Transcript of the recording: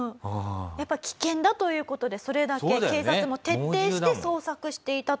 やっぱり危険だという事でそれだけ警察も徹底して捜索していたという事なんです。